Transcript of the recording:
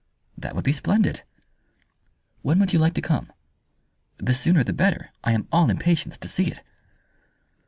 "That would be splendid." "When would you like to come?" "The sooner the better. I am all impatience to see it."